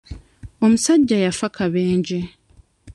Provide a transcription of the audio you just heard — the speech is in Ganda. Omusajja yaffa kabenje.